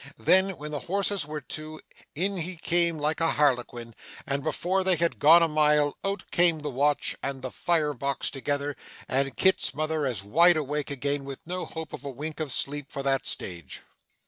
Then, when the horses were to, in he came like a Harlequin, and before they had gone a mile, out came the watch and the fire box together, and Kit's mother as wide awake again, with no hope of a wink of sleep for that stage.